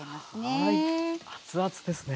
はい熱々ですね。